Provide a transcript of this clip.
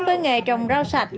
với nghề trồng rau sạch